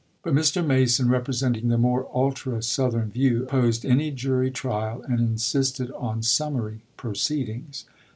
But Mr. Mason, representing the more ultra Southern view, opposed any jury trial and insisted on summary proceedings.